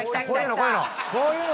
こういうの。